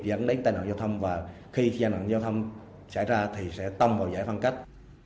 dẫn đến tai nạn giao thông và khi tai nạn giao thông xảy ra thì sẽ tông vào giải phân cách